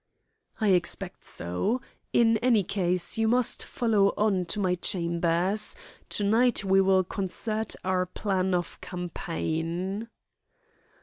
"I expect so. In any case, you must follow on to my chambers. To night we will concert our plan of campaign."